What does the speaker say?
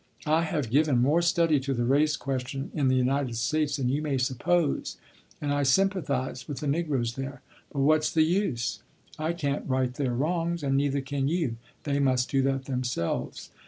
I have given more study to the race question in the United States than you may suppose, and I sympathize with the Negroes there; but what's the use? I can't right their wrongs, and neither can you; they must do that themselves.